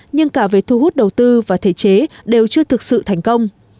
nhưng cả về thu hút đầu tư và thể chế đều chưa thực sự thành công